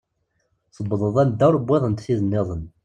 Tewḍeḍ anda ur wwiḍent tid nniḍen.